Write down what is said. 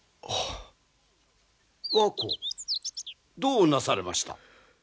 和子どうなされました？